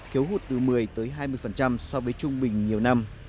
thiếu hụt từ một mươi tới hai mươi so với trung bình nhiều năm